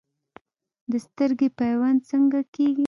د سترګې پیوند څنګه کیږي؟